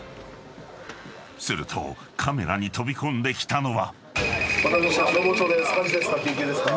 ［するとカメラに飛び込んできたのは］